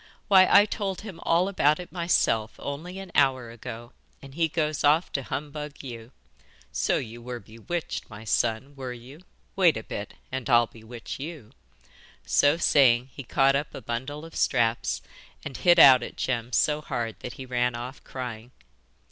Why I told him all about it myself only an hour ago, and then he goes off to humbug you. So you were bewitched, my son were you? Wait a bit, and I'll bewitch you!' So saying, he caught up a bundle of straps, and hit out at Jem so hard that he ran off crying.